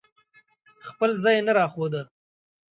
خپل ځای یې نه راښوده.